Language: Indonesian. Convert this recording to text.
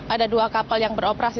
ada dua kapal yang beroperasi